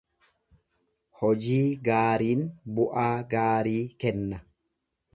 Hojii gaariin bu’aa gaarii kenna.